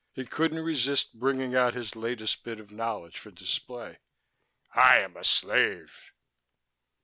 He couldn't resist bringing out his latest bit of knowledge for display. "I am a slave."